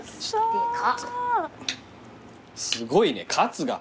すごいねカツが。